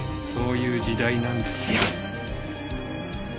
そういう時代なんですよ！